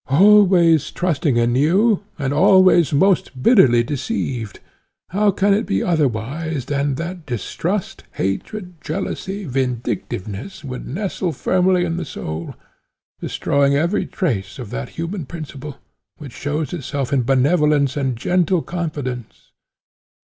Always trusting anew and always most bitterly deceived, how can it be otherwise than that distrust, hatred, jealousy, vindictiveness, would nestle firmly in the soul, destroying every trace of that human principle, which shows itself in benevolence and gentle confidence.